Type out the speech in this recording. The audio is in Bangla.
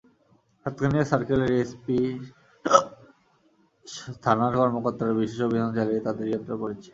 সাতকানিয়া সার্কেলের এএসপিসহ থানার কর্মকর্তারা বিশেষ অভিযান চালিয়ে তাঁদের গ্রেপ্তার করেছেন।